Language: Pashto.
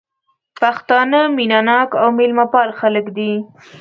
پښتانه مينه ناک او ميلمه پال خلک دي